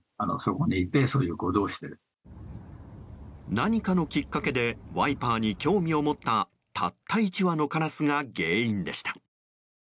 何かのきっかけでワイパーに興味を持ったたった１羽のカラスが原因でした。